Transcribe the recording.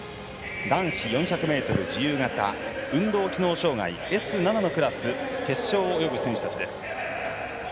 男子４００ｍ自由形運動機能障がいＳ７のクラス決勝を泳ぐ選手たちです。